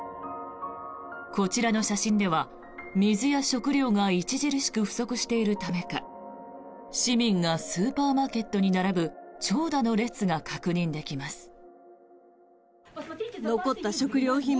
こちらの写真では、水や食料が著しく不足しているためか市民がスーパーマーケットに並ぶ長蛇の列が確認できます。